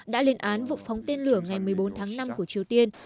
đã lên án vụ phóng tên lửa ngày một mươi bốn tháng năm của triều tiên